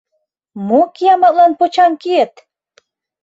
— Мо кияматлан почаҥ киет!